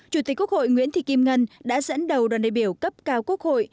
chủ tịch quốc hội nguyễn thị kim ngân đã dẫn đầu đoàn đại biểu cấp cao quốc hội